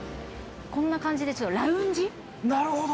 こんな感じでなるほど！